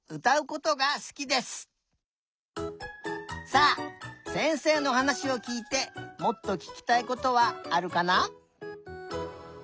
さあせんせいのはなしをきいてもっとききたいことはあるかな？